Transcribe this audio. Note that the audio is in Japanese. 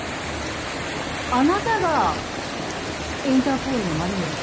あなたがインターポールの真梨邑さん？